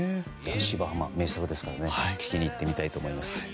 「芝浜」名作ですから聞きに行きたいと思います。